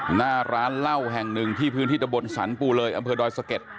หน้าร้านเหล้าแห่งหนึ่งที่พื้นที่ตะบนสรรปูเลยอำเภอดอยสะเก็ด